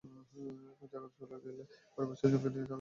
এখন চাকরি চলে গেলে পরিবারের ছয়জনকে নিয়ে ঢাকা শহরে পথে বসতে হবে।